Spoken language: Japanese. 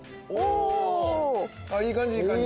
「あっいい感じいい感じ」